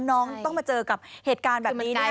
น้องต้องมาเจอกับเหตุการณ์แบบนี้นะคะ